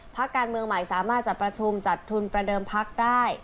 พการเมืองใหม่สามารถจัดทุนประเดิมภักษ์